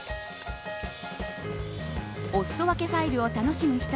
おすそ分けファイルを楽しむ